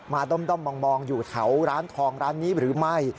ด้อมมองอยู่แถวร้านทองร้านนี้หรือไม่